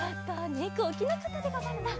ねこおきなかったでござるな。